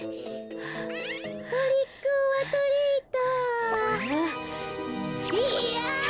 トリックオアトリート。